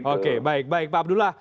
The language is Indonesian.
oke baik baik pak abdullah